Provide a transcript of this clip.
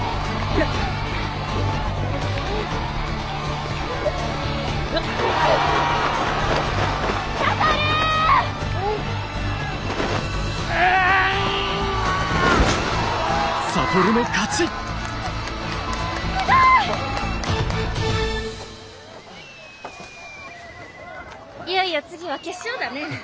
いよいよ次は決勝だね。